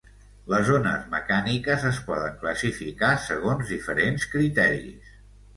Les ones mecàniques es poden classificar segons diferents criteris.